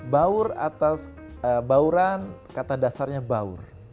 baur atas bauran kata dasarnya baur